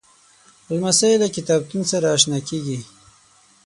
لمسی له کتابتون سره اشنا کېږي.